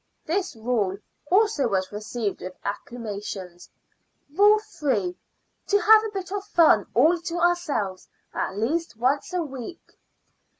This rule also was received with acclamations. "Rule Three. To have a bit of fun all to ourselves at least once a week."